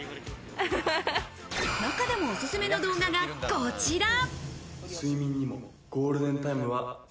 中でも、おすすめの動画がこちら。